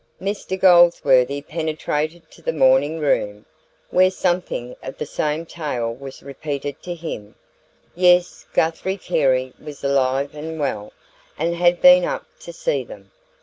Mr Goldsworthy penetrated to the morning room, where something of the same tale was repeated to him. Yes, Guthrie Carey was alive and well, and had been up to see them.